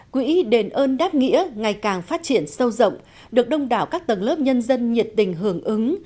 quỹ đền ơn đáp nghĩa ngày càng phát triển sâu rộng được đông đảo các tầng lớp nhân dân nhiệt tình hưởng ứng